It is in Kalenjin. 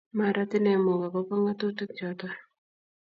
Marat inne mok ak bo ngatutik choto.